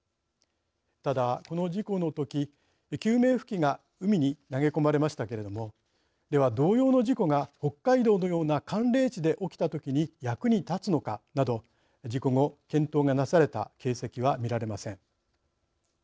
ただこの事故の時救命浮器が海に投げ込まれましたけれどもでは同様の事故が北海道のような寒冷地で起きた時に役に立つのかなど事故後検討がなされた形跡は見られません。